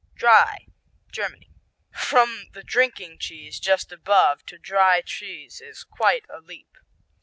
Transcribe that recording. Dry Germany From the drinking cheese just above to dry cheese is quite a leap.